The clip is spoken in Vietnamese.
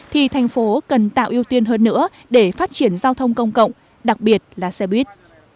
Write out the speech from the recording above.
thì thành phố cần tạo ưu tiên hơn nữa để phát triển giao thông công cộng đặc biệt là xe buýt